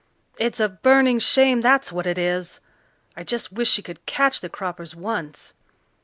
"It's a burning shame, that's what it is! I just wish she could catch the Croppers once."